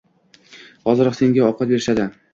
Hoziroq senga ovqat berishadi